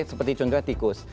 seperti ciong nya tikus